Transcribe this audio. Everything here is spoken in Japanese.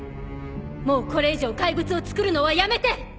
もうこれ以上怪物をつくるのはやめて！